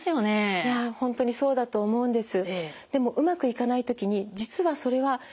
いや本当にそうだと思うんです。